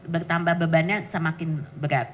bertambah bebannya semakin berat